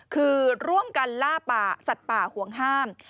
คือร่วมกันล่าป่าสัตว์ป่าห่วงห้าม